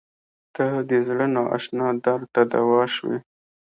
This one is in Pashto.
• ته د زړه نااشنا درد ته دوا شوې.